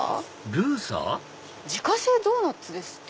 「自家製ドーナツ」ですって。